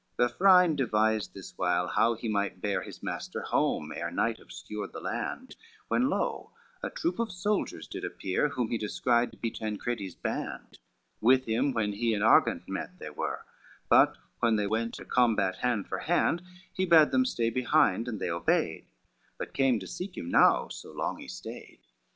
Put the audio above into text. CXV Vafrine devised this while how he might bear His master home, ere night obscured the land, When lo, a troop of soldiers did appear, Whom he descried to be Tancredi's band, With him when he and Argant met they were; But when they went to combat hand for hand, He bade them stay behind, and they obeyed, But came to seek him now, so long he stayed.